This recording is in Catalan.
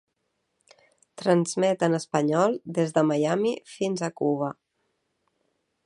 Transmet en espanyol des de Miami fins a Cuba.